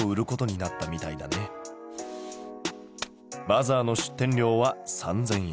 バザーの出店料は３，０００円。